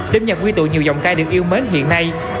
đêm nhạc quy tụ nhiều giọng ca được yêu mến hiện nay